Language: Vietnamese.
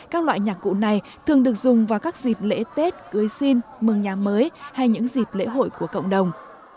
các loại nhạc cụ này thường được dùng vào các dịp lễ tết cưới xin mừng nhà mới hay những dịp lễ hội của cộng đồng